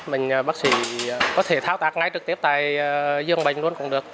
mình bác sĩ có thể thao tác ngay trực tiếp tại dương bệnh luôn cũng được